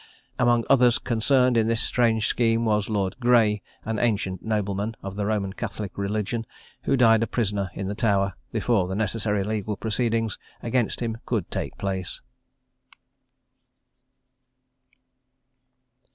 Among others concerned in this strange scheme was Lord Grey, an ancient nobleman of the Roman Catholic religion, who died a prisoner in the Tower, before the necessary legal proceedings against him could take place.